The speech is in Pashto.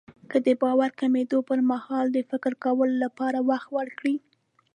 که د باور کمېدو پرمهال د فکر کولو لپاره وخت ورکړئ.